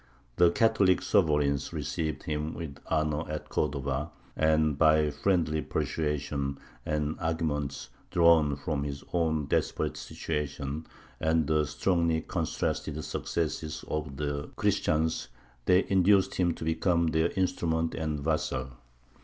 The Catholic sovereigns received him with honour at Cordova, and, by friendly persuasion and arguments drawn from his own desperate situation and the strongly contrasted successes of the Christians, they induced him to become their instrument and vassal.